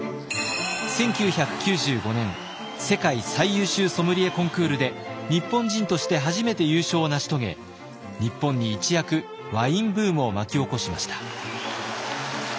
１９９５年世界最優秀ソムリエコンクールで日本人として初めて優勝を成し遂げ日本に一躍ワインブームを巻き起こしました。